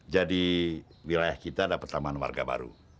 jadi wilayah kita dapat tambahan warga baru